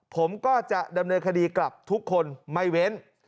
ผมก็จะดำเนินคดีกลับทุกคนไม่เว้น